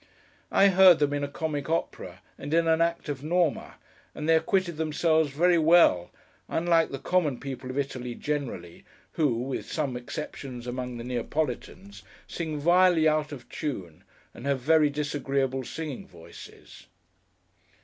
I heard them in a comic opera, and in an act of 'Norma;' and they acquitted themselves very well; unlike the common people of Italy generally, who (with some exceptions among the Neapolitans) sing vilely out of tune, and have very disagreeable singing voices.